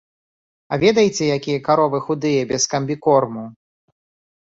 А ведаеце, якія каровы худыя без камбікорму!